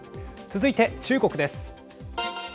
続いて中国です。